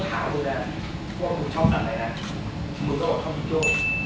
กูโตว่ธอดของจ้าโจ้